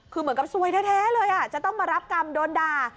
คือเหมือนกับซวยแท้เลยจะต้องมารับกรรมโดนด่า